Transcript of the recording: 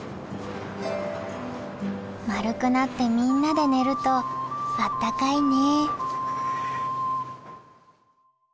・丸くなってみんなで寝るとあったかいね。